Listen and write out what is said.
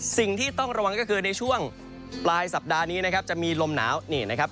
สิ่งที่ต้องระวังก็คือในช่วงปลายสัปดาห์นี้นะครับจะมีลมหนาวนี่นะครับ